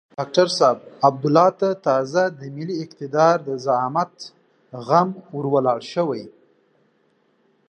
ډاکتر صاحب عبدالله ته تازه د ملي اقتدار د زعامت غم ور ولاړ شوی.